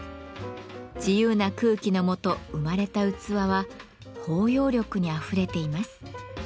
自由な空気のもと生まれた器は包容力にあふれています。